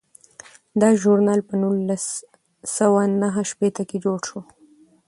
دا ژورنال په نولس سوه نهه شپیته کې جوړ شو.